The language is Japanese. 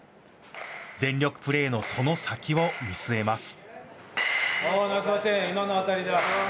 全力プレーのその先を見据えます。